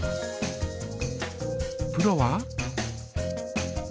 プロは？